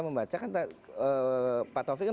membacakan pak taufik kan